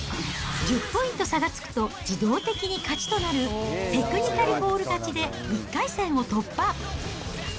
１０ポイント差がつくと自動的に勝ちとなる、テクニカルフォール勝ちで１回戦を突破。